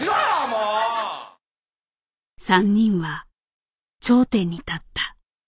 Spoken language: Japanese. ３人は頂点に立った。